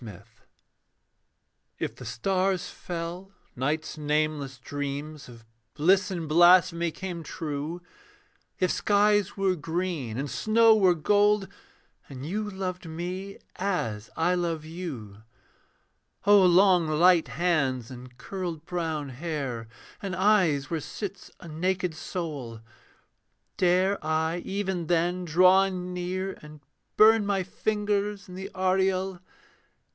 JOSEPH If the stars fell; night's nameless dreams Of bliss and blasphemy came true, If skies were green and snow were gold, And you loved me as I love you; O long light hands and curled brown hair, And eyes where sits a naked soul; Dare I even then draw near and burn My fingers in the aureole?